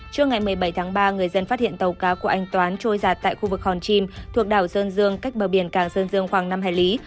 trước ngày một mươi bảy tháng ba người dân phát hiện tàu cá của anh toán trôi giặt tại khu vực hòn chim thuộc đảo sơn dương cách bờ biển cảng sơn dương khoảng năm hải lý